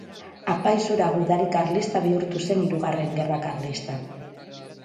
Apaiz hura gudari karlista bihurtu zen Hirugarren Gerra Karlistan.